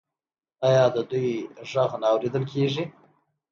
آیا د دوی غږ نه اوریدل کیږي؟